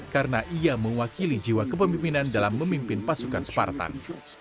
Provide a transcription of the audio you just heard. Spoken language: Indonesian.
karena ia mewakili jiwa kepemimpinan dalam memimpin pasukan spartan